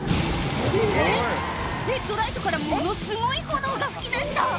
えぇ⁉ヘッドライトからものすごい炎が噴き出した！